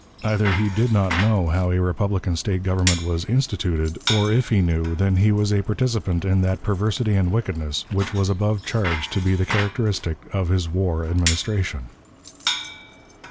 Either he did not know how a republican State government was "instituted," or, if he knew, then he was a participant in that perversity and wickedness, which was above charged to be the characteristic of his war Administration.